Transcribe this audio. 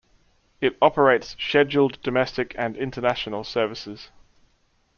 It operates scheduled domestic and international services.